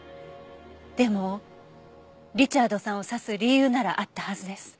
でもリチャードさんを刺す理由ならあったはずです。